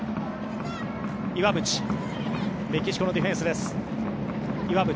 メキシコのディフェンスです。